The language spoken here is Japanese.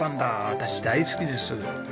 私大好きです。